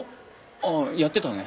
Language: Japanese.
あっやってたね。